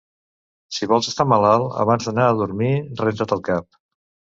Si vols estar malalt, abans d'anar a dormir renta't el cap.